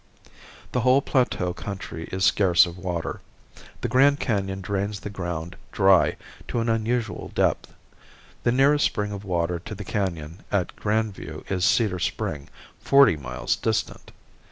The whole plateau country is scarce of water. The Grand Canon drains the ground dry to an unusual depth. The nearest spring of water to the Canon at Grand View is Cedar Spring, forty miles distant.